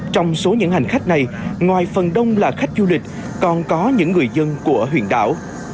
trong số những hành khách này ngoài phần đông là khách du lịch còn có những người dân của huyện đảo